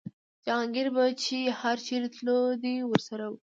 جهانګیر به چې هر چېرې تللو دی ورسره و.